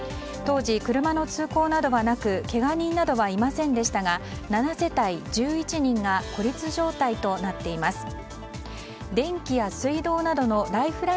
当時、車の通行などはなくけが人などはいませんでしたが７世帯１１人が孤立状態となっています。